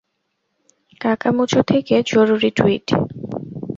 কাকামুচো থেকে জরুরী টুইট।